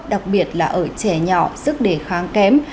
đặc biệt là ở trẻ nhỏ sức đề kháng kém